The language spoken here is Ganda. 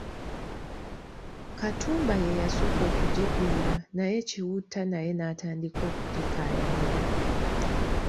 Katumba yeeyasooka okugigwira naye Kiwutta naye naatandika okugikayanira.